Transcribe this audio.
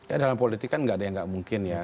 ya dalam politik kan nggak ada yang nggak mungkin ya